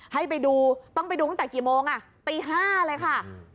ให้ไปดูต้องไปดูตั้งแต่กี่โมงตี๕เลยค่ะ